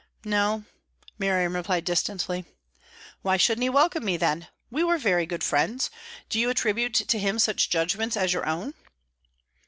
"No," Miriam replied distantly. "Why shouldn't he welcome me, then? We were very good friends. Do you attribute to him such judgments as your own?"